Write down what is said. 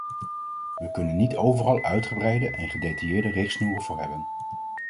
We kunnen niet overal uitgebreide en gedetailleerde richtsnoeren voor hebben.